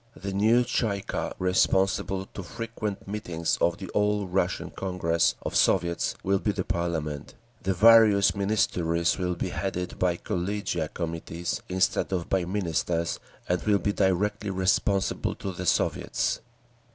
The new Tsay ee kah, responsible to frequent meetings of the All Russian Congress of Soviets, will be the parliament; the various Ministries will be headed by collegia—committees—instead of by Ministers, and will be directly responsible to the Soviets…."